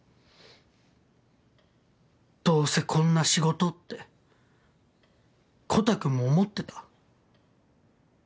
「どうせこんな仕事」ってコタくんも思ってた。